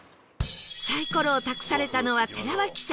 サイコロを託されたのは寺脇さん